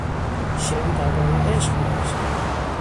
شعری دربارهی عشق نوشت.